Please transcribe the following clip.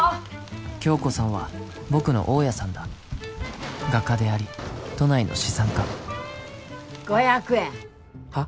響子さんは僕の大家さんだ画家であり都内の資産家５００円はっ？